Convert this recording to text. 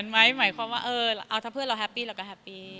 ไม่มีค่ะ